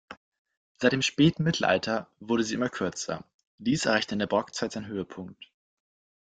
Seit dem Spätmittelalter wurde sie immer kürzer; dies erreichte in der Barockzeit seinen Höhepunkt.